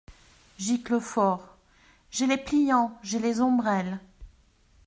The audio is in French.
Giclefort. — J’ai les pliants, j’ai les ombrelles.